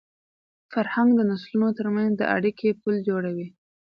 فرهنګ د نسلونو تر منځ د اړیکي پُل جوړوي.